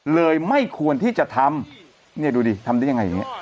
ไม่ควรที่จะทำเนี่ยดูดิทำได้ยังไงอย่างนี้